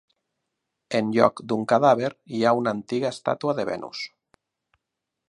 En lloc d'un cadàver, hi ha una antiga estàtua de Venus.